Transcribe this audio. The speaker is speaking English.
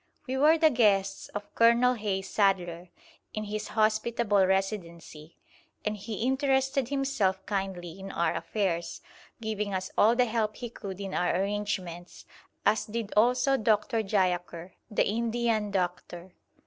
We were the guests of Colonel Hayes Sadler, in his hospitable Residency, and he interested himself kindly in our affairs, giving us all the help he could in our arrangements, as did also Dr. Jayaker, the Indian doctor.